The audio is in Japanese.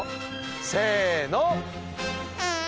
せの。